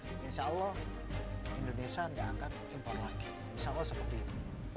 insya allah indonesia tidak akan impor lagi insya allah seperti itu